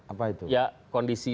apa itu ya kondisi